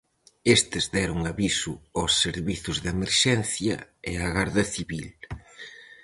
Estes deron aviso aos servizos de emerxencia e á Garda Civil.